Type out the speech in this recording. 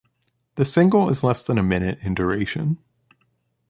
The single is less than a minute in duration.